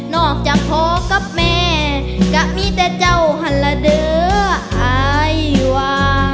อกจากพ่อกับแม่ก็มีแต่เจ้าหันละเด้ออายวา